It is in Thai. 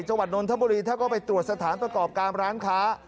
จังหวัดนทบุรีถ้าก็ไปตรวจสถานประกอบการร้านค้า